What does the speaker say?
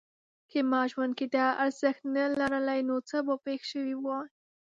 که ما ژوند کې دا ارزښت نه لرلای نو څه به پېښ شوي وای؟